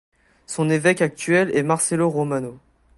Son évêque actuel est Marcello Romano.